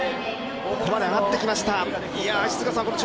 ここまで上がってきました。